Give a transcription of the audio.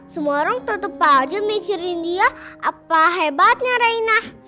semua orang tetap aja mikirin dia apa hebatnya reina